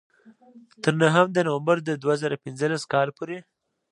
تر نهم د نومبر دوه زره پینځلس کال پورې.